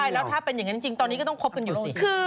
แล้วถ้าเป็นอย่างนั้นจริงตอนนี้ก็ต้องคบกันอยู่สิ